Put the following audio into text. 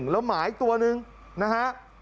แล้วหมาอีกตัวนึงนะฮะ